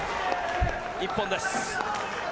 一本です。